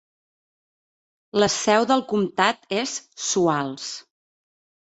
La seu del comtat és Shoals.